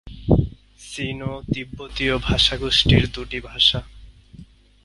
সিনো-তিব্বতীয় ভাষাগোষ্ঠীর দুটি ভাষা।